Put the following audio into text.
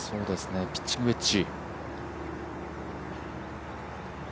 ピッチングウェッジ。